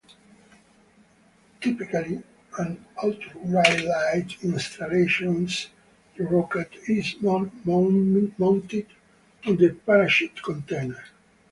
Typically on ultralight installations the rocket is mounted on the parachute container.